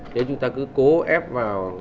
nếu chúng ta cứ cố ép vào